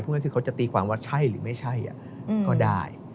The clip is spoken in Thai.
พูดง่ายคือเขาจะตีความว่าใช่หรือไม่ใช่ก็ได้